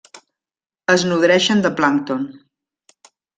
Es nodreixen de plàncton.